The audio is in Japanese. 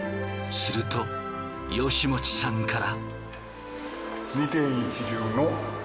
すると吉用さんから。